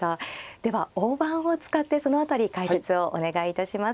では大盤を使ってその辺り解説をお願いいたします。